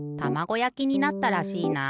やきになったらしいな。